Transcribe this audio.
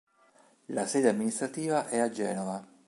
La sede amministrativa è a Genova.